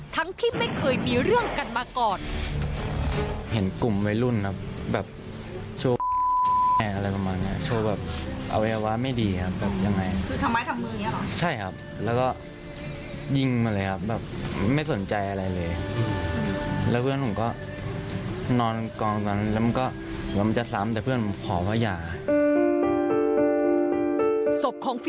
ที่ไม่เคยมีเรื่องกันมาก่อน